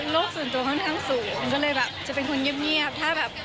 โลกส่วนตัวค่อนข้างสูงก็เลยจะเป็นคนเงียบครับ